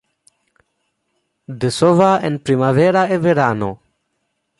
Desova en primavera y verano.